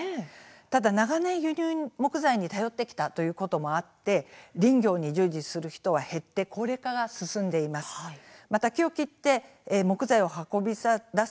ただ長年、輸入木材に頼ってきたということもあって林業に従事する人は減って高齢化が進んでいます。